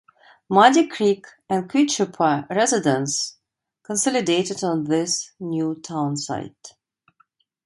Muddy Creek and Quitchupah residents consolidated on this new townsite.